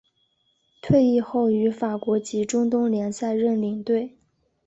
退役后于法国及中东联赛任领队。